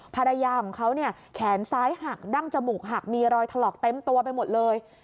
ภรรยาของเขาเนี่ยแขนซ้ายหักดั้งจมูกหักมีรอยถลอกเต็มตัวไปหมดเลย